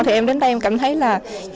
thì em đến đây em cảm thấy là